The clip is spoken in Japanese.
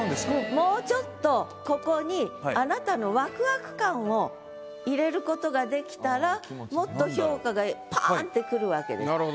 もうちょっとここに入れることができたらもっと評価がパンってくるわけです。